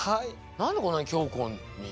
何でこんなに強固につくった？